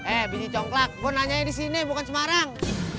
eh biji congklak gue nanya di sini bukan semarang